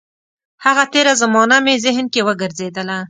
هغه تېره زمانه مې ذهن کې وګرځېدله.